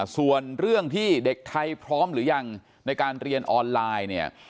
ส่วนเรื่องที่เด็กไทยพร้อมหรือยังในการเรียนออนไลน์เนี่ย